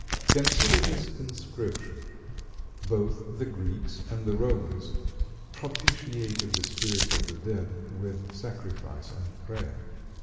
Consider this inscription. Both the Greeks and the Romans propitiated the spirits of the dead with sacrifice and prayer.